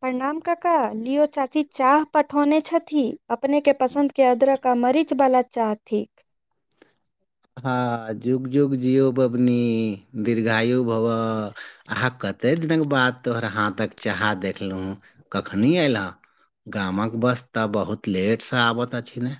प्रणाम काका लियो चाची चाह पठौने छथिन्ह अपनेके पसन्दके अदरक आ मरीचवला चाह थि हँ जुग जुग जियो बबनी दीर्घायु भवः आह कतेक दिनक बाद तोहर हाथक चाहा देखलहुँँ कखनि अयलहू गामक बस तऽ बहुत लेट से आबत अछि नै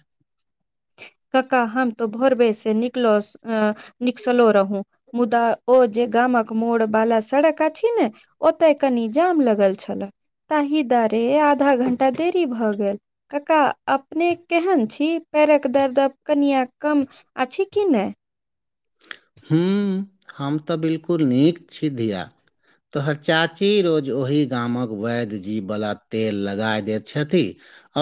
कका हम तो भोर बे से निकलो अ निकसलो रहू मुदा ओ जे गामक मोड़ बाला सड़क आछि ने ओतय कनि जाम लगल छलए तहि दरे आधा घंटा देरी भऽ गेल कका अपने केहन छी पैरक दर्द कनीआ कम अछि कि नहि हू हम तऽ बिलकुल नीक छी धिया तो चाची रोज ओही गामक वैद्य जीववला तेल लगाए दैत छथि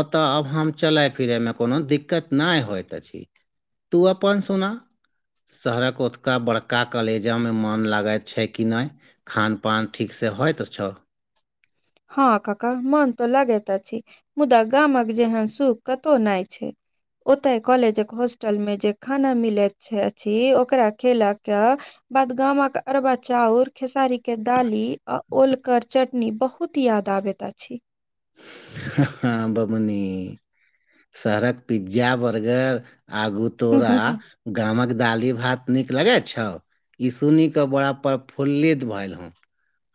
एतय आब हम चलय फिरयमे कोनो दिक्कत नहि होइत अछि तूआ पान सोना सारा ओतका बड़का कॉलेजा में मन लागैत छै कि नहि खानपान ठीकसँ होइत अछौ हँ काका मोन तो लगैत छै मुदा गामक जेहन सुख कतौ नहि छै ओते कॉलेजक हॉस्टल में जे खाना मिलैत छै अ ओकरा खेल के बाद गामा के अरबा चाउर खेसारी के डाली आ ओलकर चटनी बहुत बहुत याद आबैत आछि हँ बबूनी शहरक पिज्जा बर्गर आगू तोरा गामक दाली भात नीक लगै छौ ई सुनी कऽ बड़ा प्रफुल्लित भेलाय हॅ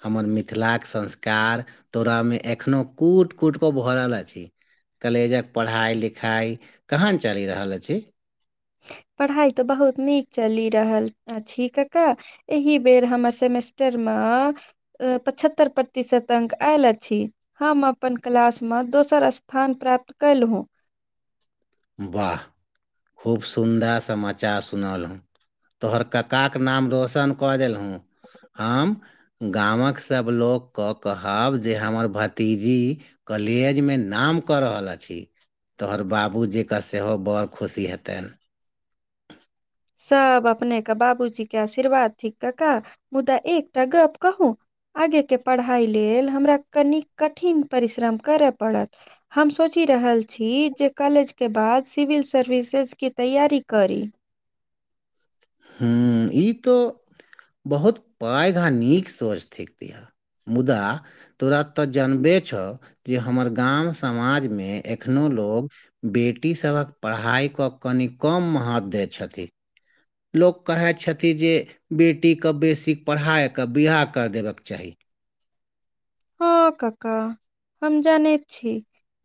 हमर मिथिलाक संस्कार तोरामे एखनोहु कूट कूट क भऽ रहल अछि कलेजक पढ़ाई लिखाई कहन चलि रहल अछि पढ़ाइ तऽ बहुत नीक चलि रहल अछि छी कका एहि बेर हमर सेमेस्टर मे पचहत्तरि प्रतिशत अङ्क आयल अछि हम अपन क्लासमे दोसर स्थान प्राप्त कयलहुँ वाह खूब सुन्दर समाचार सुनल हॅ तोहर क्ककाक नाम रोशन कऽ देलहुूँ हम गामक सभ लोकके कहब जे हमर भतीजी कॉलेज मे नाम कऽ रहल अछि तोहर बाबू जे हुनका सेहो बड़ खुशी हेतैनि सब अपनेक बाबूजी क आशीर्वाद थिक क क मुदा एकटा गप कहू आगेके पढ़ाइ लेल हमरा कनि कठिन परिश्रम करय पड़त हम सोचि रहल छी जे कॉलेजके बाद सिविल सर्विसेजके तैयारी करी ह ई तो बहुत पैघा नीक सोच थिक या मुदा तुरात जनबे छौ जे हमर गाम समाजमे एखनो लोग बेटीसभक पढ़ाइक कनि कम महत्त्व दैत छथिन लोक कहै छथिन जे बेटीकेँ बेसी पढ़ायकऽ बिआह करि देबयक चाही हँ कका हम जनैत छी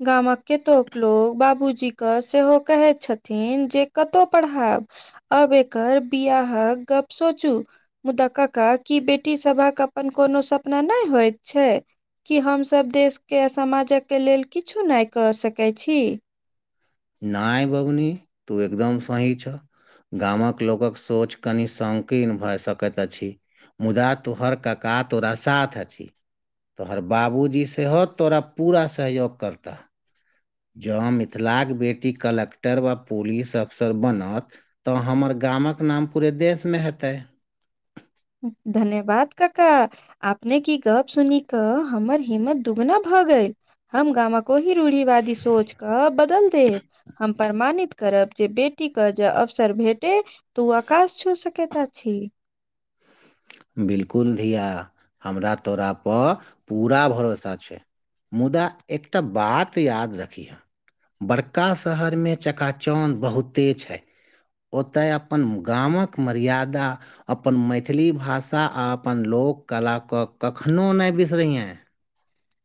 गामक केतोक लोक बाबूजीक क सेहो कहैत छथिन जे कतहु पढ़ायब अब एकर बियाहक गप सोचू मुदा काका की बेटी सभक अपन कोनो सपना नहि होत छै की हमसभ देशके आ समाजकके लेल किछु नहि कऽ सकैत छी नहि बबनी तू एकदम सही छ गामक लोकक सोच कनि सकी नभए सकैत अछि मुदा तोहर काका तोरा साथ अछि तोहर बाबूजी सेहो तोरा पूरा सहयोग करतऽ जँ मिथिलाक बेटी कलेक्टर वा पुलिस अफसर बनत तऽ हमर गामक नाम पूरे देशमे हेतै धन्यवाद कका अपने की गप सुनी कऽ हमर हिम्मत दुगुना भऽ गेल हम गामक कोहि रूढ़िवादि सोच क बदल देब हम प्रमाणित करब जे बेटी क जे अवसर भेटे तऽ ओ आकाश छू सकैट अछी बिलकुल धिया हमरा तोराप पूरा भरोसा छै मुदा एकटा बात याद रखिहए बड़का शहरमे चकाचौद बहुते छै ओतय अपन गामक मर्यादा अपन मैथिली भाषा षा आ अपन लोक कलाके कखनो नहि बिसरयेँ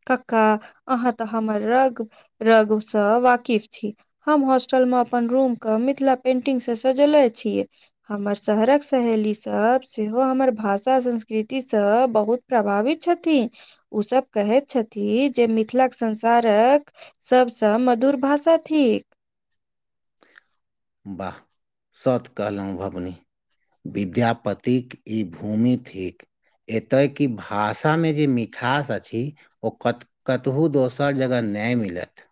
कक्का अहाँ तऽ हमर र रगसँ वाकिफ छी हम हॉस्टल मे अपन रूम के मिथिला पेंटिंगसँ सजोले छियै हमर शहरक सहेलीसभ सेहो हमर भाषा संस्कृतिस बहुत प्रभावित छथि ओसभ कहैत छथिन जे मिथिलाक संसारक सबसँ मधुर भाषा थिक वाह सत कहलहुँ भवनि विद्यापतिक ई भूमि थिक एते यकि भाषा मे जे मिठास अछि ओ कत कतहु दोसर जगह नहि मिलत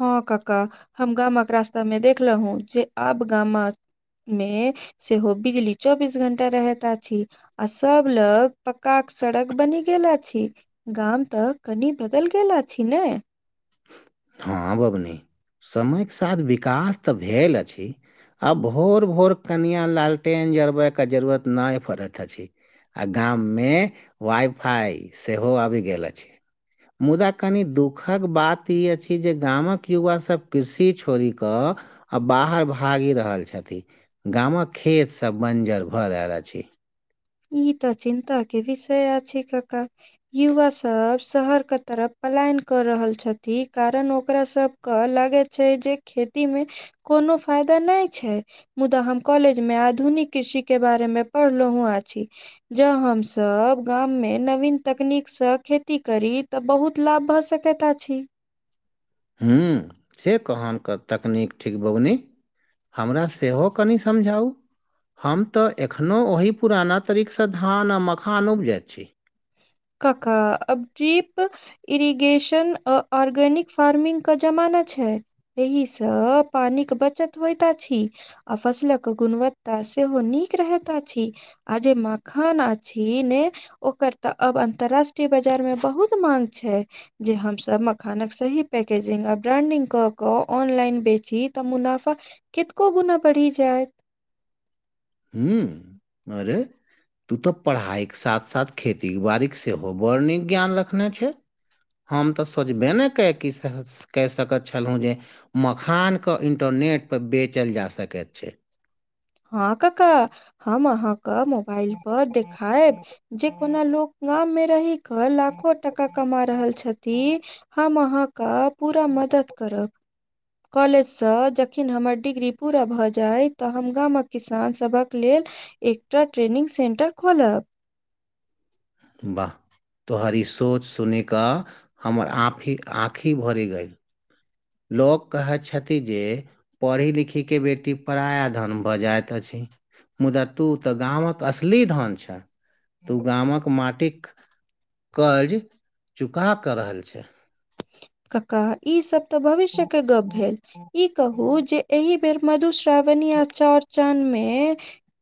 हँ काका हम गामक रास्ता मे देखल हूं जे आब गामा मे सेहो बिजली चौबीस घंटा रहैत अछी आ सब लग पक्काक क सड़क बनी गेल अछी गाम तऽ कनि बदलि गेल अछि नै हँ बबूनी समयके साथ विकास तऽ भेल अछि आ भोर भोर कनिया लालटेन जरबय के जरुरत नहि पड़ैत अछि आ गाम मे वाइ फाई सेहो आबि गेल अछि मुदा कनि दुखक बात ई अछि जे गामक युवा सब कृषि छोड़ी कऽ आ बाहर भागि रहल छथि गामक खेतसभ बञ्जर भऽ रहल अछि ई तऽ चिन्ता के विषय अछि कका युवा सब शहर के तरफ प्लायन कर रहल छथि कारण ओकरा सब क लागे छै जे खेती मे कोनो फायदा नहि छै मुदा हम कॉलेज मे आधुनिक कृषि के बारे मे पढ़लहु हूं अछि ज हम सब गाम मे नवीन तकनीक से खेती करी तऽ बहुत ला भऽ सकैत अछि हँ से कहानके तकनीक ठीक बगनी हमरा सेहो कनि समझाउ हम तऽ एखनो ओहि पुराना तरीकसँ धान आ मखान उपजइत छी काका अबजीप इरिगेशन ऑर्गेनिक फार्मिंगके जमाना छै एहिसँ पानिक बचत होइत अछि आ फसलक गुणवत्ता सेहो नीक रहैत अछि आ जे मखान आछि ने ओकर तऽ अब अन्तराष्ट्रीय बाजारमे बहुत माँग छै जे हमसभ मखानक सही पैकेजिंग आ ब्रांडिंग कऽ क ऑनलाइन बेची तऽ मुनाफा कितको गुना बढ़ि जाय हू आरे तू तऽ पढ़ाइक साथ साथ खेती बाड़ीक सेहो बड़ नीक ज्ञान रखने छै हम तऽ सोचबे नहि क क सकैत छलहुँ जे मखानक इंटरनेटपर बेचल जा सकैत छै हँ कका हम अहांक क मोबाइल पर देखायब जे कोना लोक गाम मे रहिक क लाखो टका कमा रहल छथि हम अहाँके पूरा मदद करब कॉलेजसँ जखीन हमर डिग्री पूरा भऽ जाय तऽ हम गामक किसानसभक लेल एकटा ट्रेनिंग सेंटर खोलब वाह तोहर ई सोच सुनिकऽ हमर आँफी आँखि भरि गेल लोक कहै छथी जे पढ़ी लिखिके बेटी पराया धन भऽ जाइत अछि मुदा तू तऽ गावक असली धन छै तऽ ओ गामक माटिक कर्ज चुका कऽ रहल छै कका ई सब तऽ भविष्य के गप भेल ई कहू जे एहि बेर मधुश्र पावणी आचौर चन मे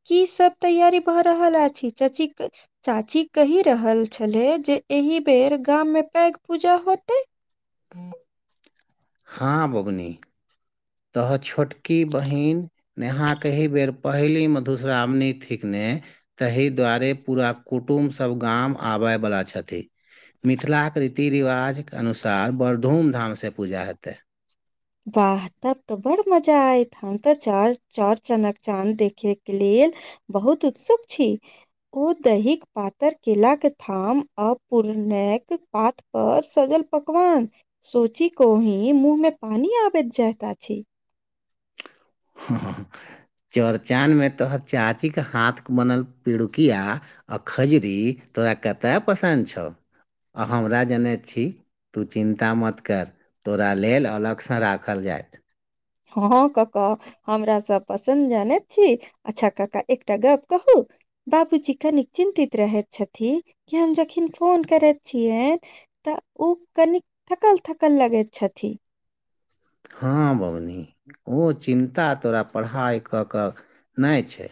की सब तैयारी भए रहल अछि चाची चाची कहि रहल छलै जे एहि बेर गाममे पैक पूजा होतै ह [unintelligible] हँ बबुनि तोहर छोटकि बहिन नेहा क एही बेर पहिली मधुश्रावनी थिक ने तहि दुआरे पूरा कुटुम्बसभ गाम आबयवला छथि मिथिलाक रीति रिवाजक अनुसार बड़ धूमधामसँ पूजा हेतै वाह तब तऽ बड़ मजा आय हम तऽ चर चौड़चनक चाँद देखै के लेल बहुत उत्सुक छी ओ दहिक पातर केलाक थाम अपूर्णक आत पर सजल पकवान सोची कोहि मुंह मे पानी आबैत जाइत अछि चौरचन मे तोर चाची के हाथ बनल पिड़ुकिया आ खजरी तोरा कतय पसन्द छौ आ हमरा जनै छी तू चिन्ता मत कर तोरा लेल अलगसँ राखल जायत हँ ककाऽ हमरा सभ पसन्द जानैत छी अच्छा क का एकटा गप कहू बाबूजी कनिक चिन्तित रहैत छथि कि हम जखन फोन करैत छियैन तऽ ओ कनी थकल थकल लगैत छथिन हँ बबुनी ओ चिन्ता तोरा पढ़ाइ कऽ कऽ नहि छै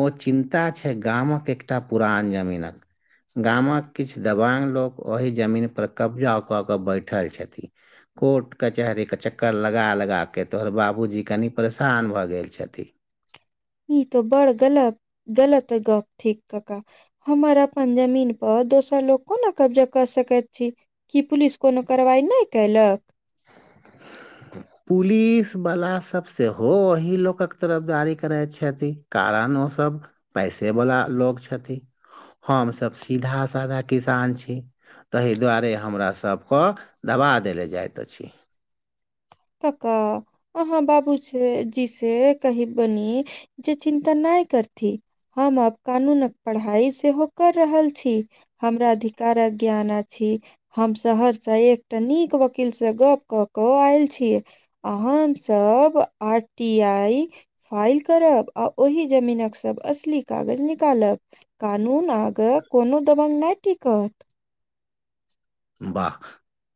ओ चिन्ता छै गामक एकटा पुरान जमीनक गामक किछ दबांग लोक ओहि जमीन पर कब्जा कऽ कऽ बैठल छथिन कोर्ट कचहरी के चक्कर कर लगा लगाके तोहर बाबूजी कनि परेशान भऽ गेल छथिन ई त बड़ गलत गलत गप थीक कक्का हमर अपन जमीन पर दोसर लोग कोना कब्जा कऽ सकैत छी कि पुलिस कोनो कारवाइ नहि कयलक [inaudible] पुलिस वला सब सेहो अही लोकक तरफदारी करैत छथि कारण ओ सब पैसे बला लोग छथि हम सभ सीधा साधा किसान छी ताहि दुआरे हमरासभ कऽ दबा देल जाइत अछि कक्का अहाँ बाबू जी से कहीबनी चिन्ता नहि करथि हम आब कानूनक पढ़ाई सेहो कऽ रहल छी हमरा अधिकारक ज्ञान अछि हम शहर सँ एकटा नीक वकील सँ गप्प कऽ कऽ आयल छी अ हम सभ आर टी आई फाइल करब आ ओहि जमीनक सब असली कागज निकालब कानून आगे कोनो दबंग नहि टिकत वाह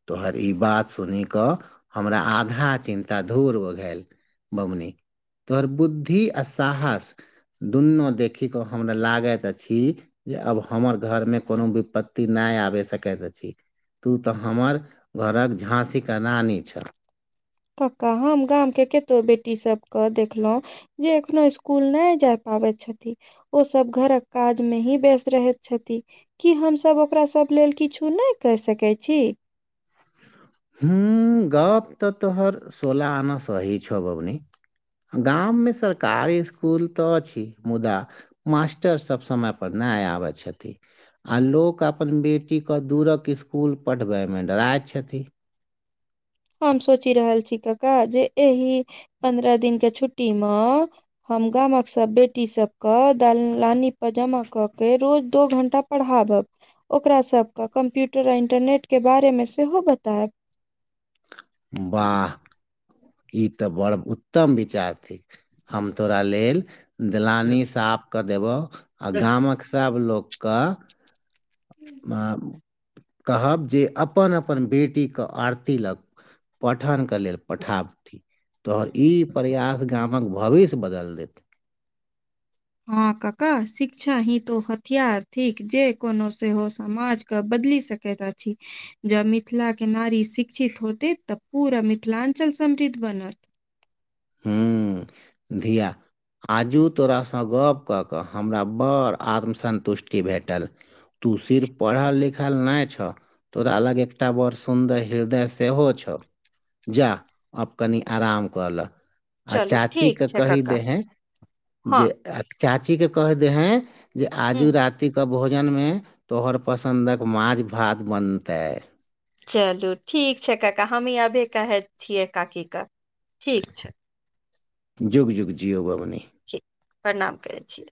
तोहर ई बात सुनि कऽ हमरा आधा चिन्ता दूर होए गेल बबुनी तोहर बुद्धि आ साहस दुनू देखि कऽ हमरा लागैत अछि जे अब हमर घरमे कोनो विपत्ति नहि आबि सकैत अछि तू तऽ हमर घरक झाँसीके रानी छह कक्का हम गाम के कतो बेटी सबके देखलहुँ जे एखनो इसकुल नहि जाय पाबै छथि ओ सब घरक काज मे ही व्यस्त रहैत छथि की हमसभ ओकरासभ लेल किछु नहि केर सकैत छी हू गप तऽ तोहर सोला आना सही छौ बबुनी गाममे सरकारी स्कूल तऽ अछि मुदा मास्टरसभ समयपर नहि आबै छथिन आ लोक अपन बेटीे कऽ दूरक स्कुल पढ़बै मे डराय छथिन हम सोचि रहल छी काका जे एहि पन्द्रह दिन के छुट्टी मे हम गामक सभ बेटी सभके दाल लानीपर जमा कऽ के रोज दो घण्टा पढ़ाबब ओकरा सब कऽ कम्प्यूटर आ इन्टरनेटके बारेमे सेहो बतायब वाह ई तऽ बड़ उत्तम विचार थिक हम तोरा लेल दलानी साफ कऽ देब आ गामक सभ लोक क आब कहब जे अपन अपन बेटी क आरती लग पठनके लेल पठाबथि तोहर ई प्रयास गामक भविष्य बदल देथि हँ कका शिक्षा ही तो हथियार थिक जे कोनो सेहो समाज क बदलि सक तऽ अछि जँ मिथिला नारी शिक्षित होते तऽ पूरा मिथिलाञ्चल समृद्ध बनत हूं धिया आजू तोरासँ गप्प कऽ कऽ हमरा बड़ आत्मसन्तुष्टि भेटल तू सिर्फ पढ़ल लिखल नहि छौ तोरा लग एकटा बड़ सुंन्दर हृदय सेहो छौ जा आब कनि आराम कऽ लऽ आ चलू चाची ठीक के छै कहि दे कका हैं हँ जे चाची के क दे हैं जे हुँ आजू रात [unintelligible] भोजन मे तोहर पसंन्दक माछ भात बनते चलू ठीक छै कका हम ई अभीये कहैत छियै काकीके ठीक छै जुग जुग जिओ बबुनी ठक प्रणाम करै छिय